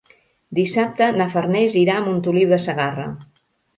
Dissabte na Farners irà a Montoliu de Segarra.